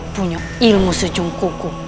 punya ilmu sejongkukku